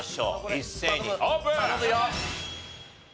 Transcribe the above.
一斉にオープン！